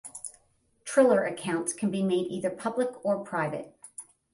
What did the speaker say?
Triller accounts can be made either public or private.